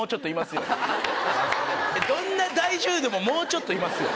どんな大女優でももうちょっといますよ。